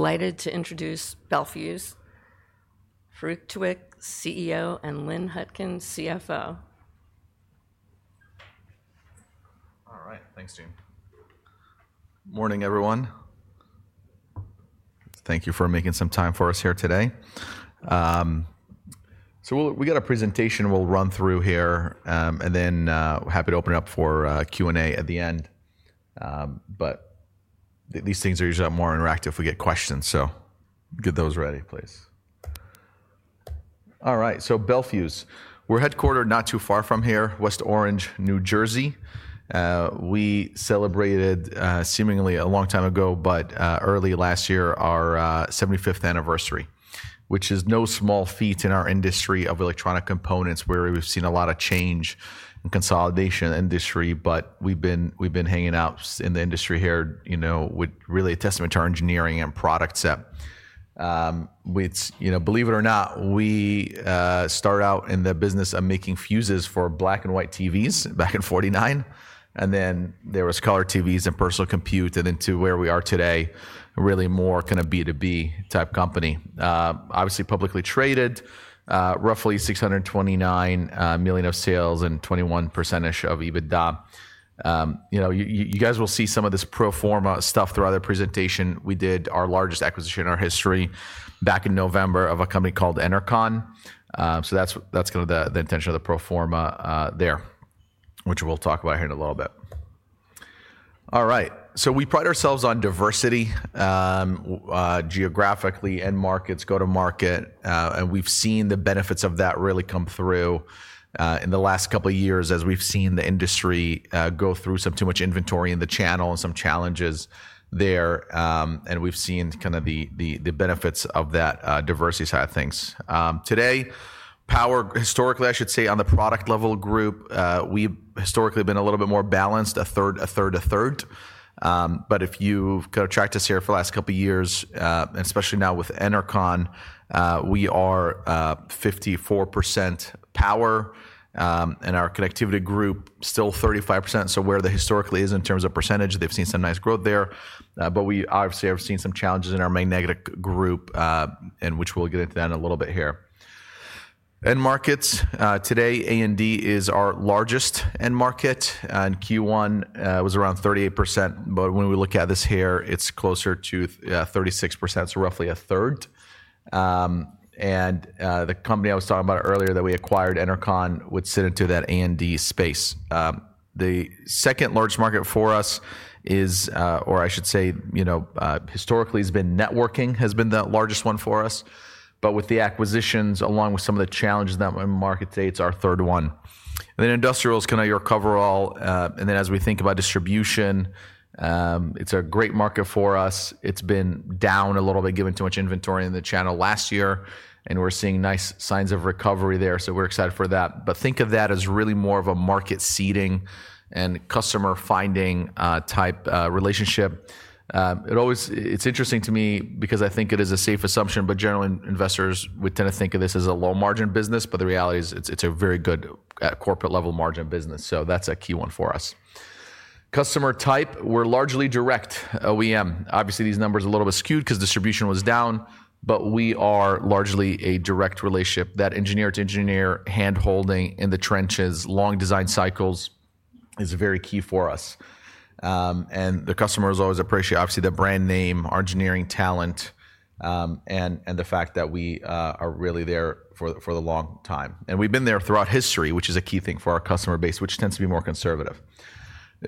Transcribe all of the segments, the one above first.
Delighted to introduce Bel Fuse, Farouq Tuweiq, CEO, and Lynn Hutkin, CFO. All right. Thanks, Jean. Morning, everyone. Thank you for making some time for us here today. We got a presentation we'll run through here, and then we're happy to open it up for Q and A at the end. These things are usually more interactive if we get questions, so get those ready, please. All right. Bel Fuse, we're headquartered not too far from here, West Orange, New Jersey. We celebrated, seemingly a long time ago, but early last year, our 75th anniversary, which is no small feat in our industry of electronic components, where we've seen a lot of change and consolidation in the industry. We've been hanging out in the industry here, really a testament to our engineering and product set. Believe it or not, we started out in the business of making fuses for black and white TVs back in 1949. There was color TVs and personal compute, and then to where we are today, really more kind of B2B type company. Obviously publicly traded, roughly $629 million of sales and 21% of EBITDA. You guys will see some of this pro forma stuff throughout the presentation. We did our largest acquisition in our history back in November of a company called Enercon. That is kind of the intention of the pro forma there, which we'll talk about here in a little bit. All right. We pride ourselves on diversity geographically and markets, go-to-market. We have seen the benefits of that really come through in the last couple of years as we have seen the industry go through some too much inventory in the channel and some challenges there. We have seen kind of the benefits of that diversity side of things. Today, power, historically, I should say, on the product level group, we've historically been a little bit more balanced, 1/3, 1/3, 1/3. If you've kind of tracked us here for the last couple of years, and especially now with Enercon, we are 54% power. Our connectivity group, still 35%. Where the historically is in terms of percentage, they've seen some nice growth there. We obviously have seen some challenges in our main magnetic group, which we'll get into that in a little bit here. End markets, today, A&D is our largest end market. In Q1, it was around 38%. When we look at this here, it's closer to 36%, so roughly 1/3. The company I was talking about earlier that we acquired, Enercon, would sit into that A&D space. The second largest market for us is, or I should say, historically, has been networking, has been the largest one for us. With the acquisitions, along with some of the challenges that market states, our third one. Industrial is kind of your coverall. As we think about distribution, it's a great market for us. It's been down a little bit given too much inventory in the channel last year. We're seeing nice signs of recovery there. We're excited for that. Think of that as really more of a market seating and customer finding type relationship. It's interesting to me because I think it is a safe assumption, but general investors would tend to think of this as a low margin business. The reality is it's a very good corporate level margin business. That's a key one for us. Customer type, we're largely direct OEM. Obviously, these numbers are a little bit skewed because distribution was down. We are largely a direct relationship. That engineer to engineer handholding in the trenches, long design cycles is very key for us. The customer has always appreciated, obviously, the brand name, our engineering talent, and the fact that we are really there for the long time. We have been there throughout history, which is a key thing for our customer base, which tends to be more conservative.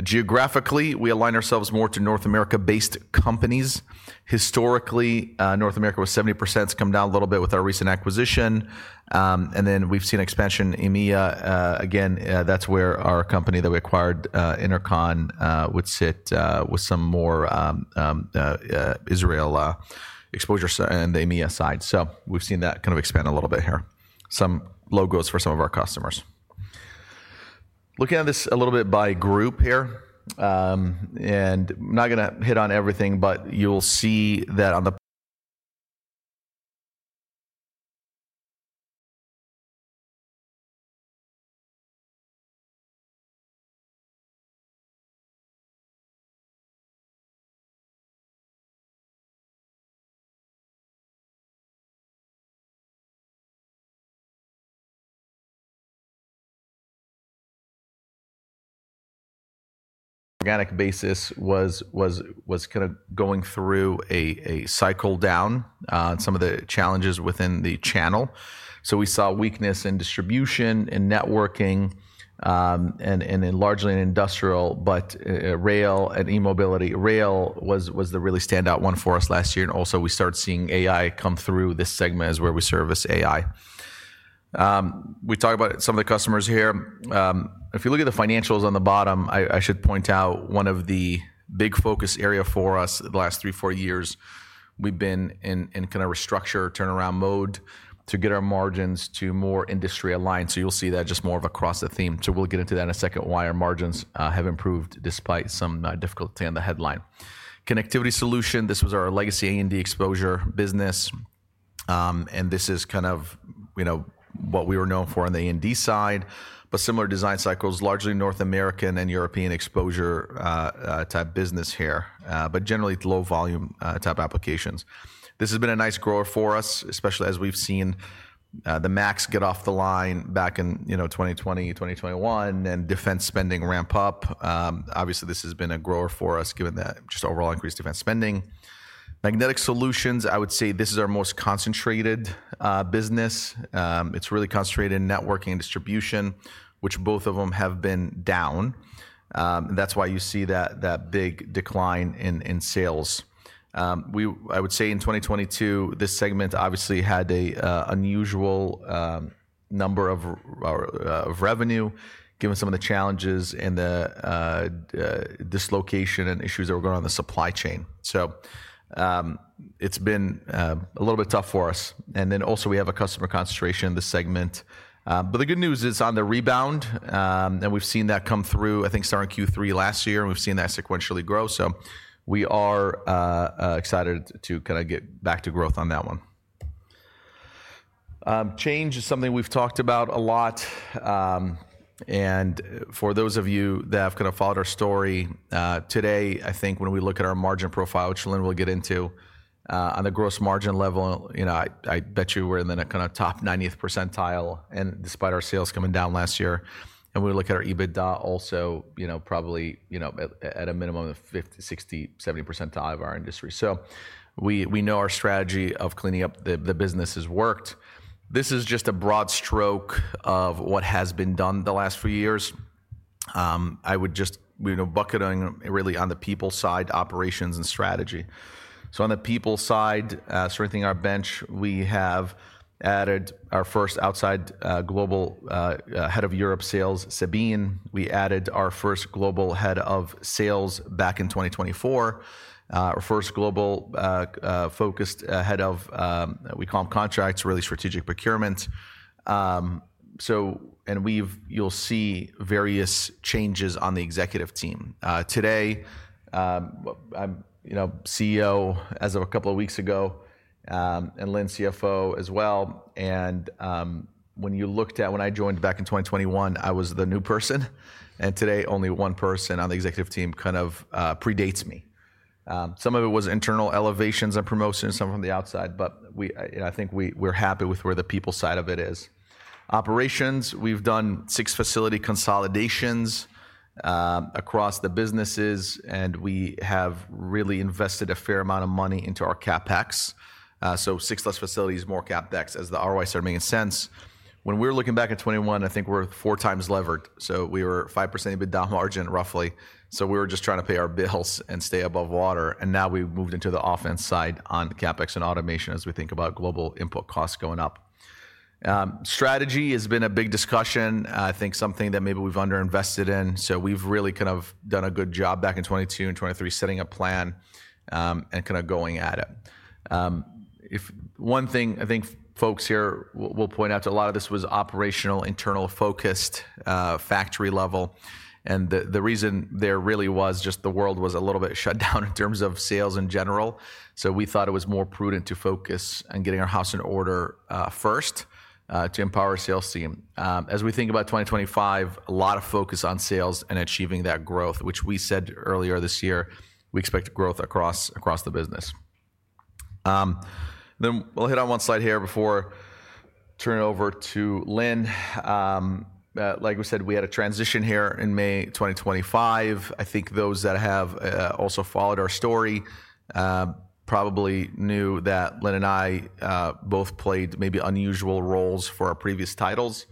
Geographically, we align ourselves more to North America-based companies. Historically, North America was 70%. It has come down a little bit with our recent acquisition. We have seen expansion in EMEA. That is where our company that we acquired, Enercon, would sit with some more Israel exposure and the EMEA side. We have seen that kind of expand a little bit here. Some logos for some of our customers. Looking at this a little bit by group here. I'm not going to hit on everything, but you'll see that on the organic basis was kind of going through a cycle down, some of the challenges within the channel. We saw weakness in distribution and networking and largely in industrial, but rail and e-mobility. Rail was the really standout one for us last year. Also, we started seeing AI come through this segment as where we service AI. We talk about some of the customers here. If you look at the financials on the bottom, I should point out one of the big focus areas for us the last three, four years, we've been in kind of restructure, turnaround mode to get our margins to more industry aligned. You'll see that just more of across the theme. We'll get into that in a second, why our margins have improved despite some difficulty on the headline. Connectivity solutions, this was our legacy A&D exposure business. This is kind of what we were known for on the A&D side. Similar design cycles, largely North American and European exposure type business here, but generally low volume type applications. This has been a nice grower for us, especially as we've seen the MAX get off the line back in 2020, 2021, and defense spending ramp up. Obviously, this has been a grower for us given that just overall increased defense spending. Magnetic solutions, I would say this is our most concentrated business. It's really concentrated in networking and distribution, which both of them have been down. That's why you see that big decline in sales. I would say in 2022, this segment obviously had an unusual number of revenue given some of the challenges and the dislocation and issues that were going on in the supply chain. It has been a little bit tough for us. We also have a customer concentration in the segment. The good news is on the rebound, and we have seen that come through. I think starting Q3 last year, we have seen that sequentially grow. We are excited to kind of get back to growth on that one. Change is something we have talked about a lot. For those of you that have kind of followed our story today, I think when we look at our margin profile, which Lynn will get into, on the gross margin level, I bet you we are in the kind of top 90th percentile despite our sales coming down last year. We look at our EBITDA also probably at a minimum of 50-60-70 percentile of our industry. We know our strategy of cleaning up the business has worked. This is just a broad stroke of what has been done the last few years. I would just bucket on really on the people side, operations, and strategy. On the people side, strengthening our bench, we have added our first outside global head of Europe sales, Sabine. We added our first global head of sales back in 2024, our first global focused head of, we call them contracts, really strategic procurement. You will see various changes on the executive team. Today, CEO as of a couple of weeks ago, and Lynn, CFO as well. When you looked at when I joined back in 2021, I was the new person. Today, only one person on the executive team kind of predates me. Some of it was internal elevations and promotions, some from the outside. I think we're happy with where the people side of it is. Operations, we've done six facility consolidations across the businesses. We have really invested a fair amount of money into our CapEx. Six less facilities, more CapEx as the ROI started making sense. When we were looking back at 2021, I think we were four times levered. We were 5% EBITDA margin roughly. We were just trying to pay our bills and stay above water. Now we've moved into the offense side on CapEx and automation as we think about global input costs going up. Strategy has been a big discussion. I think something that maybe we've underinvested in. We've really kind of done a good job back in 2022 and 2023 setting a plan and kind of going at it. One thing I think folks here will point out to a lot of this was operational, internal focused, factory level. The reason there really was just the world was a little bit shut down in terms of sales in general. We thought it was more prudent to focus on getting our house in order first to empower our sales team. As we think about 2025, a lot of focus on sales and achieving that growth, which we said earlier this year, we expect growth across the business. We will hit on one slide here before turning over to Lynn. Like we said, we had a transition here in May 2025. I think those that have also followed our story probably knew that Lynn and I both played maybe unusual roles for our previous titles.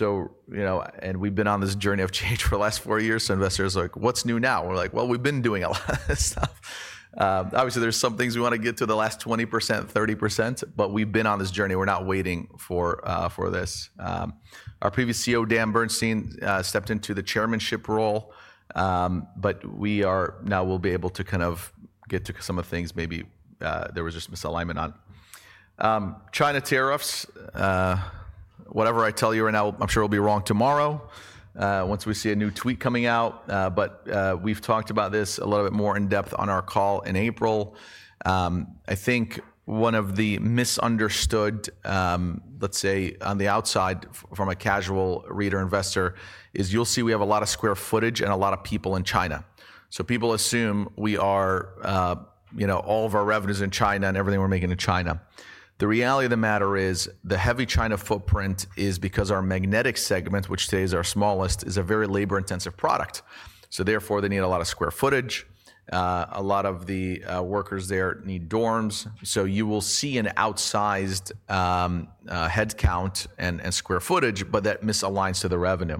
And we've been on this journey of change for the last four years. So investors are like, "What's new now?" We're like, "Well, we've been doing a lot of this stuff." Obviously, there's some things we want to get to the last 20% 30%, but we've been on this journey. We're not waiting for this. Our previous CEO, Dan Bernstein, stepped into the chairmanship role. But we now will be able to kind of get to some of the things maybe there was just misalignment on. China tariffs, whatever I tell you right now, I'm sure it'll be wrong tomorrow once we see a new tweet coming out. But we've talked about this a little bit more in depth on our call in April. I think one of the misunderstood, let's say on the outside from a casual reader investor, is you'll see we have a lot of square footage and a lot of people in China. People assume all of our revenues are in China and everything we're making is in China. The reality of the matter is the heavy China footprint is because our magnetic segment, which today is our smallest, is a very labor-intensive product. Therefore, they need a lot of square footage. A lot of the workers there need dorms. You will see an outsized headcount and square footage, but that misaligns to the revenue.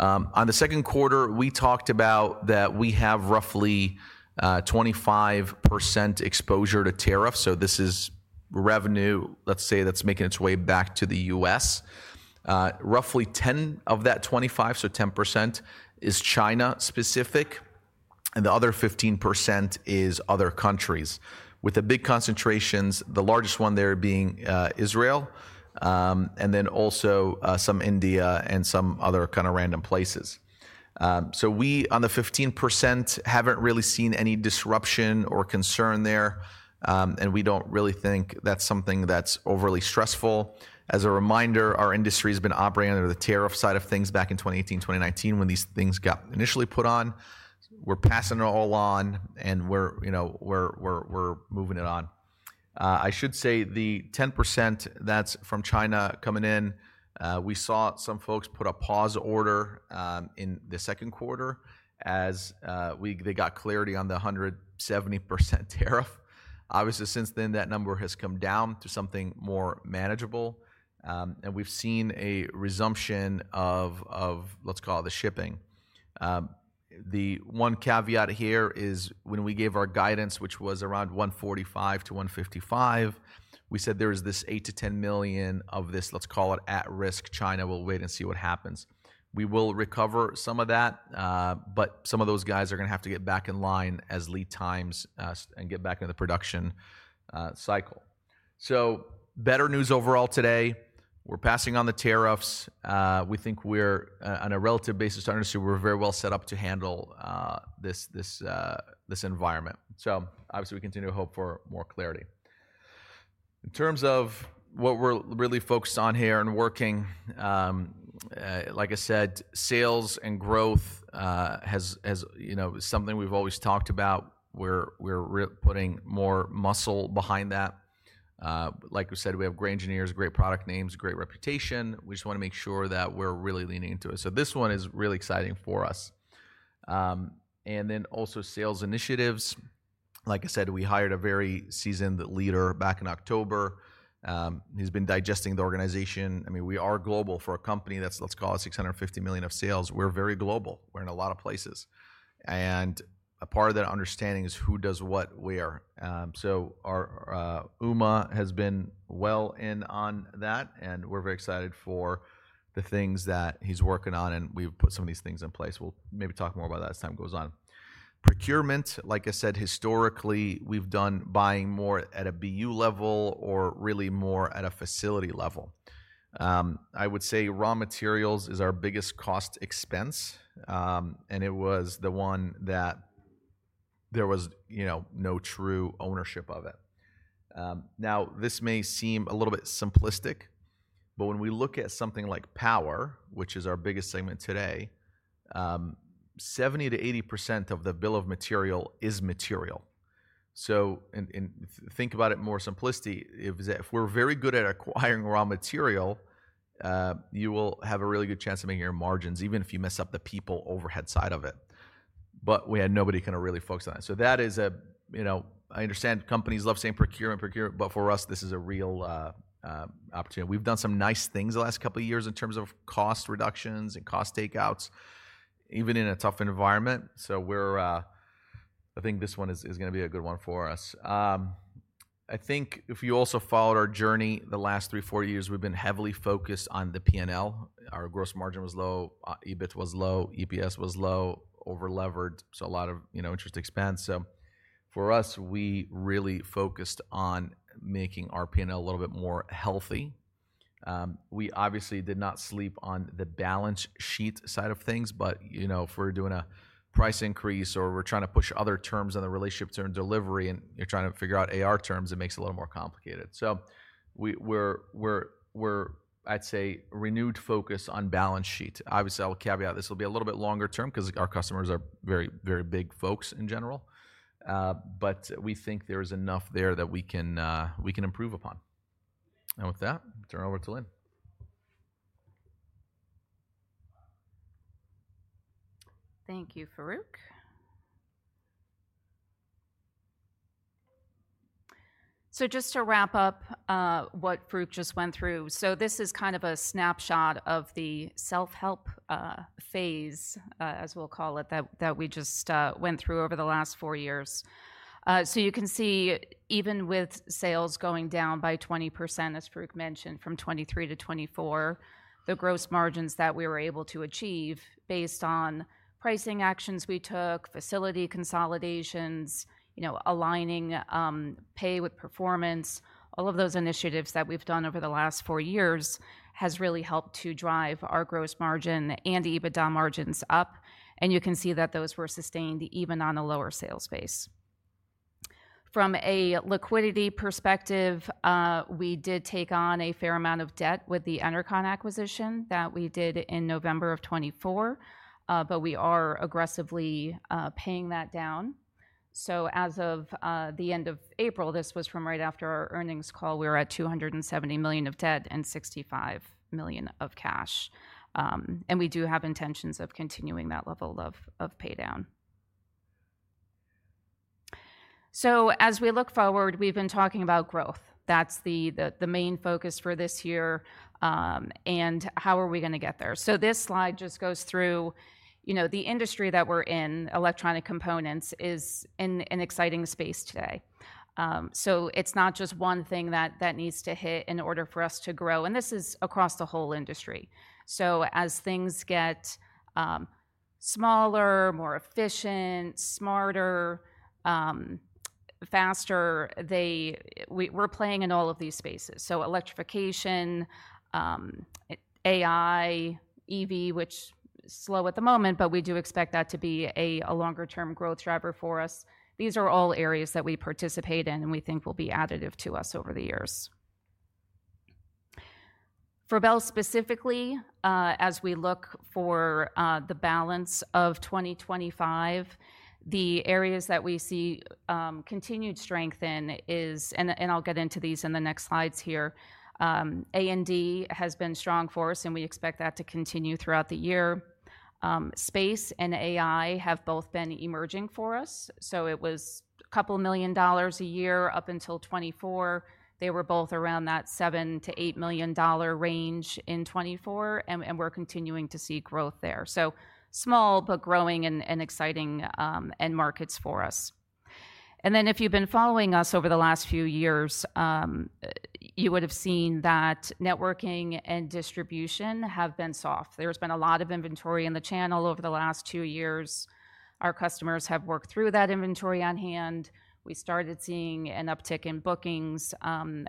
In the second quarter, we talked about that we have roughly 25% exposure to tariffs. This is revenue, let's say, that's making its way back to the U.S. Roughly 10% of that 25%, so 10%, is China specific. The other 15% is other countries with the big concentrations, the largest one there being Israel, and then also some India and some other kind of random places. We on the 15% have not really seen any disruption or concern there. We do not really think that is something that is overly stressful. As a reminder, our industry has been operating under the tariff side of things back in 2018, 2019 when these things got initially put on. We are passing it all on, and we are moving it on. I should say the 10% that is from China coming in, we saw some folks put a pause order in the second quarter as they got clarity on the 170% tariff. Obviously, since then, that number has come down to something more manageable. We have seen a resumption of, let us call it, the shipping. The one caveat here is when we gave our guidance, which was around $145 million-$155 million, we said there is this $8 million-$10 million of this, let's call it at risk. China will wait and see what happens. We will recover some of that. Some of those guys are going to have to get back in line as lead times and get back into the production cycle. Better news overall today. We're passing on the tariffs. We think we're on a relative basis to understand we're very well set up to handle this environment. Obviously, we continue to hope for more clarity. In terms of what we're really focused on here and working, like I said, sales and growth is something we've always talked about. We're putting more muscle behind that. Like we said, we have great engineers, great product names, great reputation. We just want to make sure that we're really leaning into it. This one is really exciting for us. Also, sales initiatives. Like I said, we hired a very seasoned leader back in October. He's been digesting the organization. I mean, we are global for a company that's, let's call it, $650 million of sales. We're very global. We're in a lot of places. A part of that understanding is who does what where. Uma has been well in on that. We're very excited for the things that he's working on. We've put some of these things in place. We'll maybe talk more about that as time goes on. Procurement, like I said, historically, we've done buying more at a BU level or really more at a facility level. I would say raw materials is our biggest cost expense. It was the one that there was no true ownership of it. Now, this may seem a little bit simplistic, but when we look at something like power, which is our biggest segment today, 70%-80% of the bill of material is material. Think about it more simplistically. If we're very good at acquiring raw material, you will have a really good chance of making your margins, even if you mess up the people overhead side of it. We had nobody kind of really focused on it. That is a, I understand companies love saying procurement, procurement, but for us, this is a real opportunity. We've done some nice things the last couple of years in terms of cost reductions and cost takeouts, even in a tough environment. I think this one is going to be a good one for us. I think if you also followed our journey the last three, four years, we've been heavily focused on the P&L. Our gross margin was low. EBIT was low. EPS was low, overlevered. So a lot of interest expense. For us, we really focused on making our P&L a little bit more healthy. We obviously did not sleep on the balance sheet side of things. If we're doing a price increase or we're trying to push other terms on the relationship term delivery and you're trying to figure out AR terms, it makes it a little more complicated. We're, I'd say, renewed focus on balance sheet. Obviously, I'll caveat this will be a little bit longer term because our customers are very, very big folks in general. We think there is enough there that we can improve upon. With that, turn it over to Lynn. Thank you, Farouq. Just to wrap up what Farouq just went through, this is kind of a snapshot of the self-help phase, as we'll call it, that we just went through over the last four years. You can see even with sales going down by 20%, as Farouq mentioned, from 2023-2024, the gross margins that we were able to achieve based on pricing actions we took, facility consolidations, aligning pay with performance, all of those initiatives that we've done over the last four years has really helped to drive our gross margin and EBITDA margins up. You can see that those were sustained even on a lower sales base. From a liquidity perspective, we did take on a fair amount of debt with the Enercon acquisition that we did in November of 2024. We are aggressively paying that down. As of the end of April, this was from right after our earnings call, we were at $270 million of debt and $65 million of cash. We do have intentions of continuing that level of paydown. As we look forward, we've been talking about growth. That's the main focus for this year. How are we going to get there? This slide just goes through the industry that we're in, electronic components, which is in an exciting space today. It's not just one thing that needs to hit in order for us to grow. This is across the whole industry. As things get smaller, more efficient, smarter, faster, we're playing in all of these spaces. Electrification, AI, EV, which is slow at the moment, but we do expect that to be a longer-term growth driver for us. These are all areas that we participate in and we think will be additive to us over the years. For Bel specifically, as we look for the balance of 2025, the areas that we see continued strength in is, and I'll get into these in the next slides here, A&D has been a strong force, and we expect that to continue throughout the year. Space and AI have both been emerging for us. It was a couple of million dollars a year up until 2024. They were both around that $7 million-$8 million range in 2024. We're continuing to see growth there. Small, but growing and exciting end markets for us. If you've been following us over the last few years, you would have seen that networking and distribution have been soft. There's been a lot of inventory in the channel over the last two years. Our customers have worked through that inventory on hand. We started seeing an uptick in bookings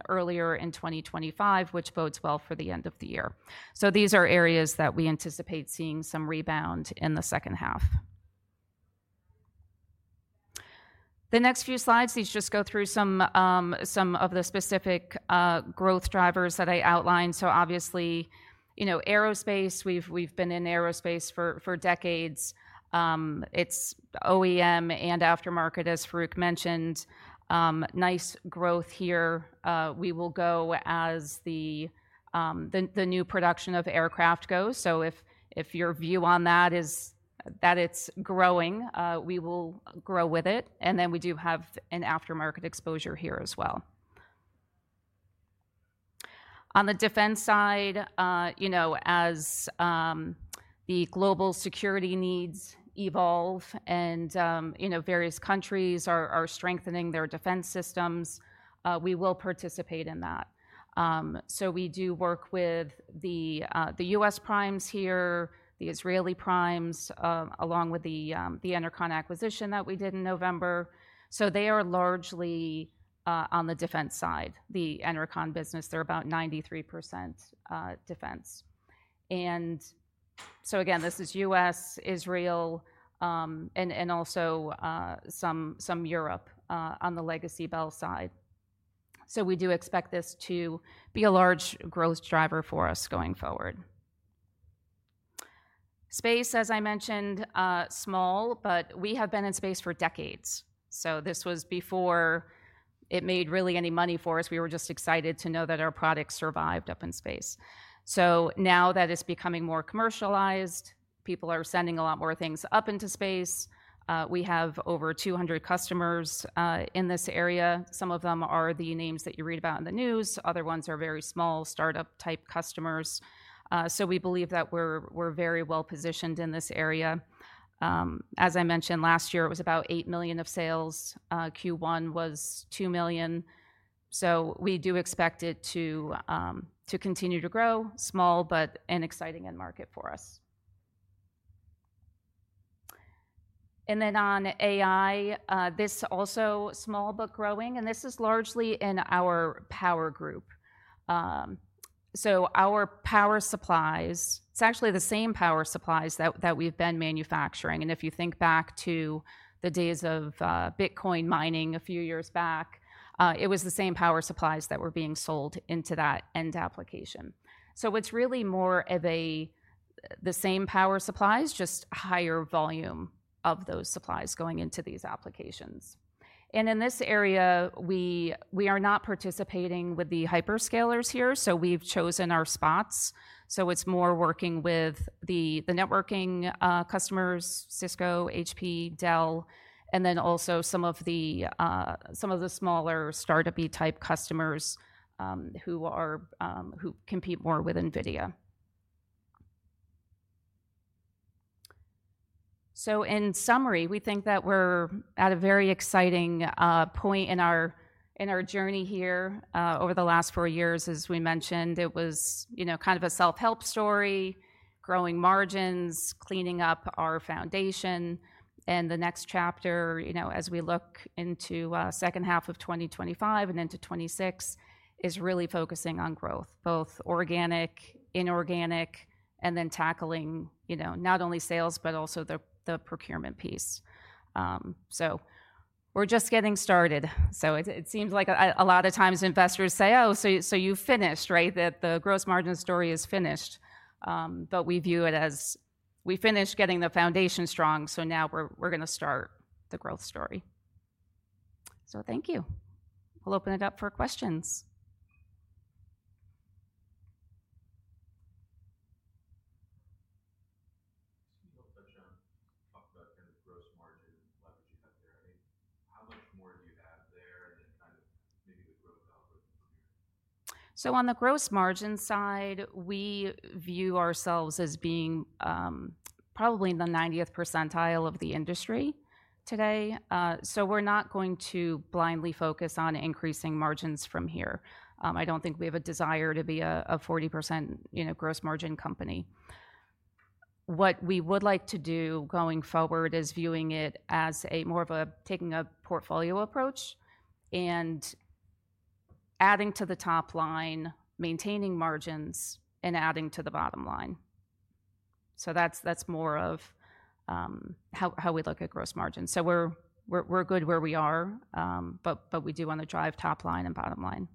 earlier in 2024, which bodes well for the end of the year. These are areas that we anticipate seeing some rebound in the second half. The next few slides, these just go through some of the specific growth drivers that I outlined. Obviously, aerospace, we've been in aerospace for decades. It's OEM and aftermarket, as Farouq mentioned. Nice growth here. We will go as the new production of aircraft goes. If your view on that is that it's growing, we will grow with it. We do have an aftermarket exposure here as well. On the defense side, as the global security needs evolve and various countries are strengthening their defense systems, we will participate in that. We do work with the U.S. primes here, the Israeli primes, along with the Enercon acquisition that we did in November. They are largely on the defense side, the Enercon business. They are about 93% defense. This is U.S., Israel, and also some Europe on the legacy Bel side. We do expect this to be a large growth driver for us going forward. Space, as I mentioned, small, but we have been in space for decades. This was before it made really any money for us. We were just excited to know that our product survived up in space. Now that it is becoming more commercialized, people are sending a lot more things up into space. We have over 200 customers in this area. Some of them are the names that you read about in the news. Other ones are very small startup-type customers. We believe that we are very well positioned in this area. As I mentioned, last year, it was about $8 million of sales. Q1 was $2 million. We do expect it to continue to grow, small, but an exciting end market for us. On AI, this is also small, but growing. This is largely in our power group. Our power supplies, it is actually the same power supplies that we have been manufacturing. If you think back to the days of Bitcoin mining a few years back, it was the same power supplies that were being sold into that end application. It is really more of the same power supplies, just higher volume of those supplies going into these applications. In this area, we are not participating with the hyperscalers here. We have chosen our spots. It is more working with the networking customers, Cisco, HP, Dell, and then also some of the smaller startup-y type customers who compete more with NVIDIA. In summary, we think that we are at a very exciting point in our journey here over the last four years. As we mentioned, it was kind of a self-help story, growing margins, cleaning up our foundation. The next chapter, as we look into the second half of 2025 and into 2026, is really focusing on growth, both organic, inorganic, and then tackling not only sales, but also the procurement piece. We are just getting started. It seems like a lot of times investors say, "Oh, so you finished, right? The gross margin story is finished." We view it as we finished getting the foundation strong. Now we're going to start the growth story. Thank you. We'll open it up for questions. John, talk about kind of gross margin leverage you have there. I mean, how much more do you have there and then maybe the growth outlook from here? On the gross margin side, we view ourselves as being probably in the 90th percentile of the industry today. We're not going to blindly focus on increasing margins from here. I don't think we have a desire to be a 40% gross margin company. What we would like to do going forward is viewing it as more of a taking a portfolio approach and adding to the top line, maintaining margins, and adding to the bottom line. That is more of how we look at gross margins. We are good where we are, but we do want to drive top line and bottom line.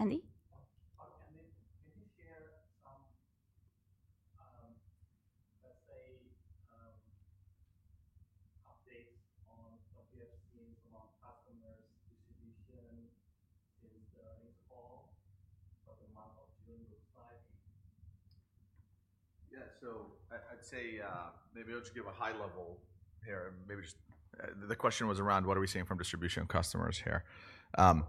I think. Andy? let's say, updates on what we have seen from our customers' distribution since the next call? What the month of June looks like. Yeah. I would say maybe I will just give a high-level here. Maybe just the question was around what are we seeing from distribution customers here. I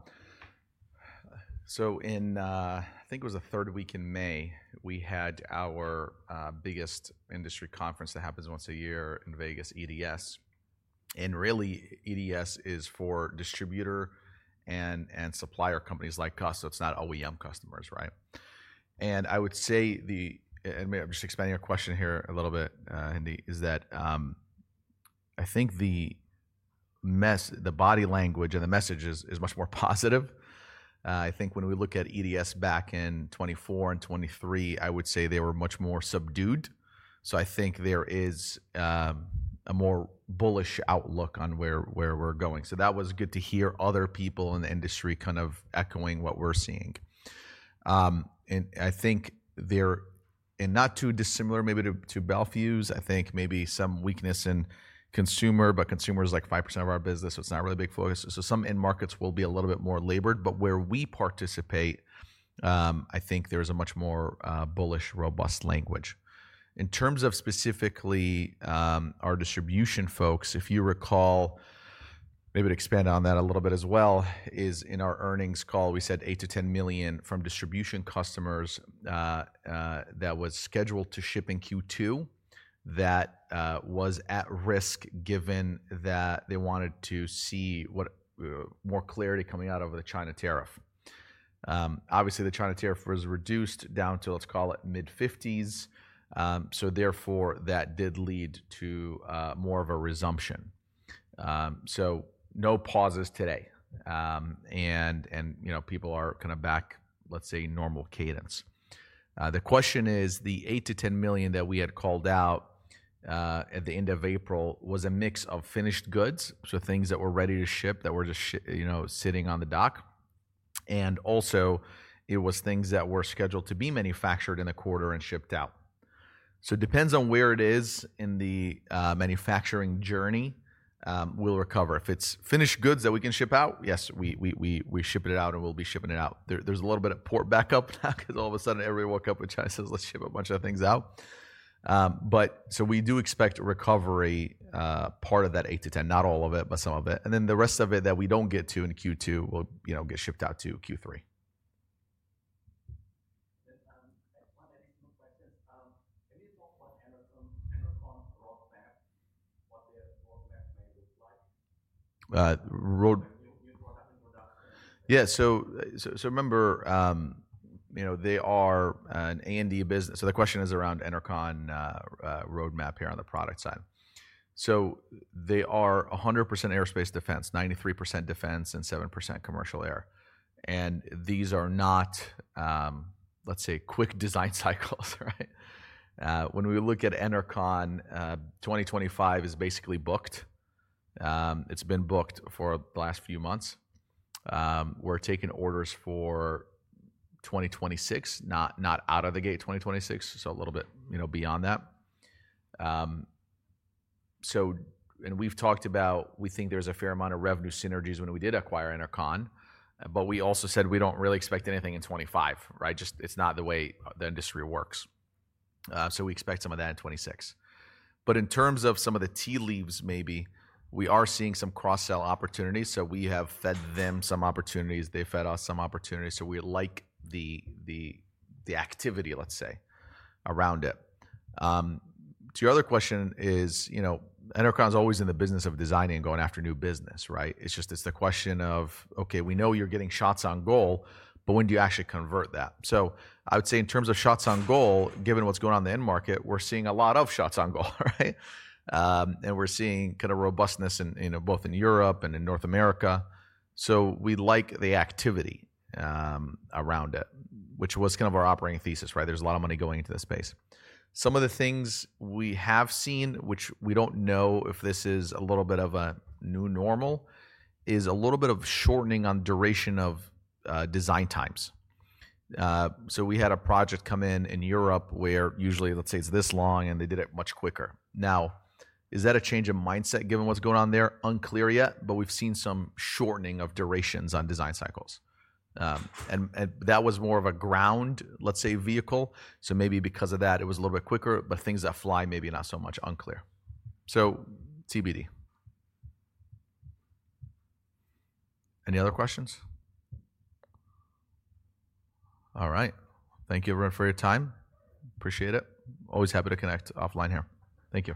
think it was the third week in May, we had our biggest industry conference that happens once a year in Vegas, EDS. Really, EDS is for distributor and supplier companies like us. It is not OEM customers, right? I would say—and maybe I am just expanding your question here a little bit, Andy—that I think the body language and the message is much more positive. I think when we look at EDS back in 2024 and 2023, I would say they were much more subdued. I think there is a more bullish outlook on where we are going. That was good to hear other people in the industry kind of echoing what we are seeing. I think they are not too dissimilar maybe to Bel Fuse. I think maybe some weakness in consumer, but consumer is like 5% of our business, so it is not really a big focus. Some end markets will be a little bit more labored. Where we participate, I think there is a much more bullish, robust language. In terms of specifically our distribution folks, if you recall, maybe to expand on that a little bit as well, in our earnings call, we said $8 million-$10 million from distribution customers that was scheduled to ship in Q2 that was at risk given that they wanted to see more clarity coming out of the China tariff. Obviously, the China tariff was reduced down to, let's call it, mid-50s. That did lead to more of a resumption. No pauses today. People are kind of back, let's say, normal cadence. The question is, the $8 million-$10 million that we had called out at the end of April was a mix of finished goods, so things that were ready to ship that were just sitting on the dock. It was things that were scheduled to be manufactured in a quarter and shipped out. It depends on where it is in the manufacturing journey. We'll recover. If it's finished goods that we can ship out, yes, we ship it out and we'll be shipping it out. There's a little bit of port backup because all of a sudden everyone woke up with China says, "Let's ship a bunch of things out." We do expect a recovery part of that $8 million-$10 million, not all of it, but some of it. The rest of it that we don't get to in Q2 will get shipped out to Q3. I just want to add a few questions. Can you talk about Enercon's roadmap, what their roadmap may look like? You're talking about. Yeah. Remember, they are an A&D business. The question is around Enercon roadmap here on the product side. They are 100% aerospace defense, 93% defense, and 7% commercial air. These are not, let's say, quick design cycles, right? When we look at Enercon, 2025 is basically booked. It's been booked for the last few months. We're taking orders for 2026, not out of the gate 2026, so a little bit beyond that. We've talked about we think there's a fair amount of revenue synergies when we did acquire Enercon. We also said we don't really expect anything in 2025, right? Just it's not the way the industry works. We expect some of that in 2026. In terms of some of the tea leaves, maybe we are seeing some cross-sell opportunities. We have fed them some opportunities. They fed us some opportunities. We like the activity, let's say, around it. To your other question, Enercon is always in the business of designing and going after new business, right? It's just it's the question of, okay, we know you're getting shots on goal, but when do you actually convert that? I would say in terms of shots on goal, given what's going on in the end market, we're seeing a lot of shots on goal, right? We're seeing kind of robustness both in Europe and in North America. We like the activity around it, which was kind of our operating thesis, right? There's a lot of money going into this space. Some of the things we have seen, which we don't know if this is a little bit of a new normal, is a little bit of shortening on duration of design times. We had a project come in in Europe where usually, let's say, it's this long, and they did it much quicker. Now, is that a change of mindset given what's going on there? Unclear yet, but we've seen some shortening of durations on design cycles. That was more of a ground, let's say, vehicle. Maybe because of that, it was a little bit quicker, but things that fly, maybe not so much, unclear. TBD. Any other questions? All right. Thank you, everyone, for your time. Appreciate it. Always happy to connect offline here. Thank you.